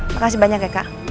makasih banyak ya kak